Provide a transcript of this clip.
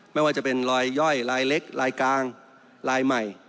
ไม่ว่าจะเป็นลายย่อยลายเล็กลายกลางลายใหม่